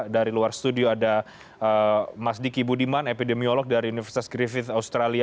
dari luar studio ada mas diki budiman epidemiolog dari universitas griffith australia